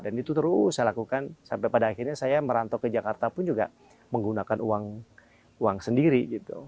dan itu terus saya lakukan sampai pada akhirnya saya merantau ke jakarta pun juga menggunakan uang sendiri